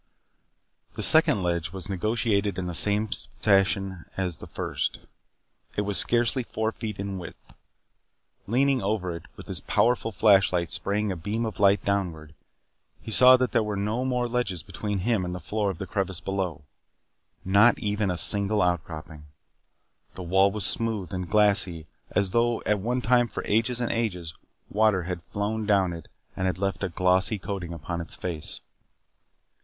The second ledge was negotiated in the same fashion as the first. It was scarcely four feet in width. Leaning over it, with his powerful flashlight spraying a beam of light downward, he saw that there were no more ledges between him and the floor of the crevice below. Not even a single out cropping. The wall was smooth and glassy as though at one time, for ages and ages, water had flown down it and had left a glossy coating upon its face.